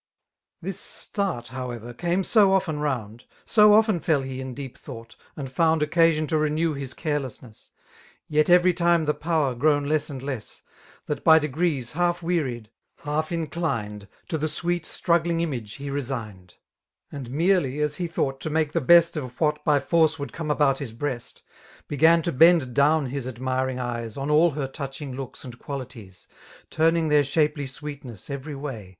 This start however came so often round, So often idk he in deep thought, and found 5T Occasion to renew liia carekasiiesa^ Yet every time the power grown teas and less, Thiit by degree8>» half wearied, half indined^ To the sweet struggling image he resigned f And merely, as he thought, to make the best Of what by force would come about his breast. Began to bend down his admiring eyes On all her touching looks and qualities. Turning their shapely sweetness every way.